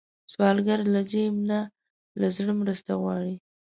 سوالګر له جیب نه، له زړه مرسته غواړي